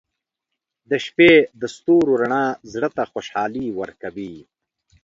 • د شپې د ستورو رڼا زړه ته خوشحالي ورکوي.